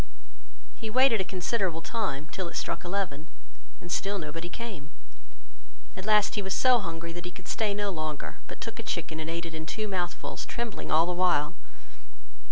He waited a considerable time, till it struck eleven, and still nobody came: at last he was so hungry that he could stay no longer, but took a chicken and ate it in two mouthfuls, trembling all the while.